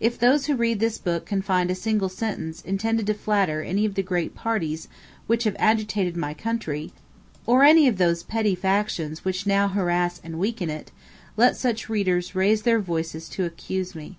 If those who read this book can find a single sentence intended to flatter any of the great parties which have agitated my country, or any of those petty factions which now harass and weaken it, let such readers raise their voices to accuse me.